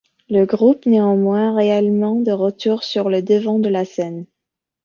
Le groupe est néanmoins réellement de retour sur le devant de la scène.